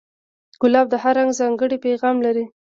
ګلاب د هر رنگ ځانګړی پیغام لري.